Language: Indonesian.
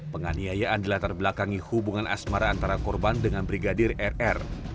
penganiayaan dilatar belakangi hubungan asmara antara korban dengan brigadir rr